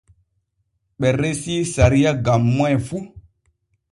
Ɓe resii sariya gam moy fu.